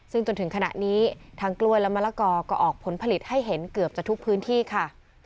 ซึ่งจนถึงขณะนี้ทางกล้วยและมะละกอก็ออกผลผลิตให้เห็นเกือบจะทุกพื้นที่ค่ะ